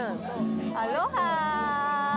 アロハー。